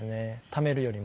ためるよりも。